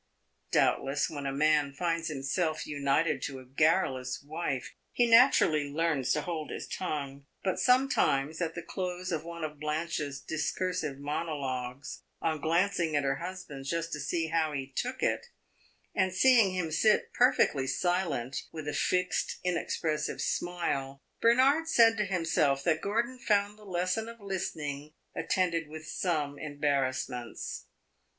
Doubtless, when a man finds himself united to a garrulous wife, he naturally learns to hold his tongue; but sometimes, at the close of one of Blanche's discursive monologues, on glancing at her husband just to see how he took it, and seeing him sit perfectly silent, with a fixed, inexpressive smile, Bernard said to himself that Gordon found the lesson of listening attended with some embarrassments.